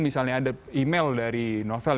misalnya ada email dari novel